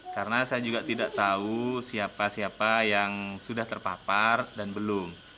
karena saya juga tidak tahu siapa siapa yang sudah terpapar dan belum